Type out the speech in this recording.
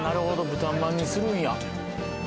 豚まんにするんや。